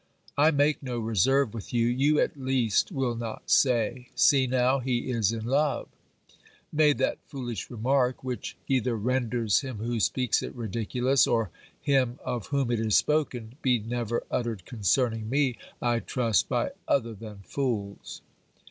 I make no reserve with you ; you at least will not say, See now, he is in love ! May that foolish remark, which either renders him who speaks it ridiculous, or him of whom it is spoken, be never uttered concerning me, I trust, by other than fools